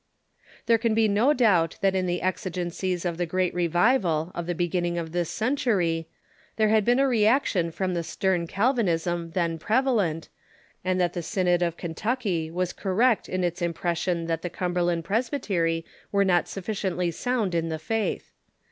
There can be no doubt that in the exigencies of the Great Revival of the beginning of this century there had been a re action from the stern Calvinism then prevalent, and that the , OTHER DEXOMINATIONS • 5G7 Synod of Kentucky was correct in its impression that the Cum berland Presbytery were not sufficiently sound in the faith.